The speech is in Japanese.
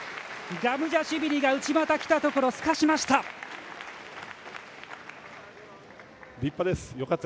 ガムジャシュビリが内股きたところすかしました。